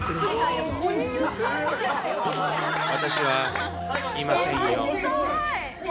私はいませんよ。